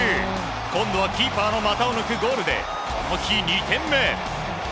今度はキーパーの股を抜くゴールでこの日、２点目。